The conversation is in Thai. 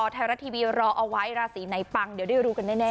ไทยรัฐทีวีรอเอาไว้ราศีไหนปังเดี๋ยวได้รู้กันแน่